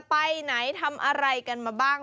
ไปไหนทำอะไรกันมาบ้าง